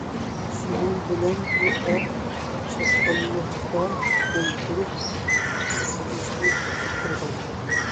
شۇنىڭ بىلەن بۇ ئەر چاتقاللىقتا ئولتۇرۇپ قۇتقۇزۇشنى كۈتۈپ تۇرغان.